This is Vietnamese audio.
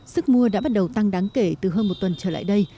sức mua đã bắt đầu tăng đáng kể từ hơn một tuần trở lại đây